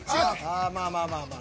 ああまあまあまあまあ。